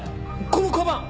このかばん！